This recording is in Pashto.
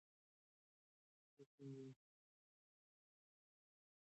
کله چې نجونې خپل علم نورو ته وښيي، همکارۍ اړیکې پیاوړې کېږي.